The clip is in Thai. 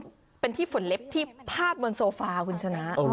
เป็นที่ฝนเล็บที่พาดบนโซฟาคุณชนะ